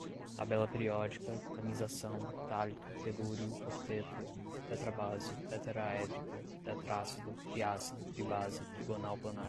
tabela periódica, tamisação, tálito, telúrio, octeto, tetrabase, tetraédrica, tetrácido, triácido, tribase, trigonal planar